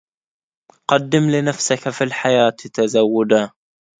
قدم لنفسك في الحياة تزودا